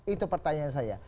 itu pertanyaan saya